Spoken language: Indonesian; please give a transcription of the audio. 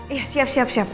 iya siap siap siap